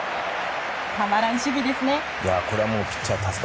たまらん守備ですね。